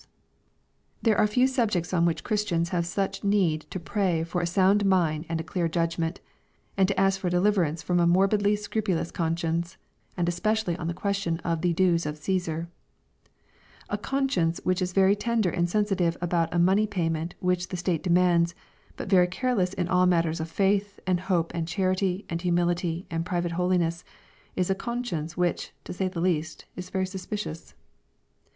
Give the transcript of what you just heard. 3S6 EXPOSITORY THOUGHTS. There are few subjects on which Christians have such needtD pray for a sound mind and a clear judgment, and to ask for deliv erance from a morbidly scrupulous conscience, and especially on the question of the dues of " Caesar." A conscience which is very tender and sensitive about a money payment which the state demands, but very careless in all mattera of faith, and hope, and charity, and humility, and private holiness, is a conscience which, to say the least, is very suspicious.